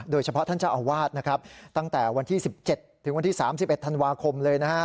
โดยเฉพาะท่านเจ้าอาวาสนะครับตั้งแต่วันที่๑๗ถึงวันที่๓๑ธันวาคมเลยนะฮะ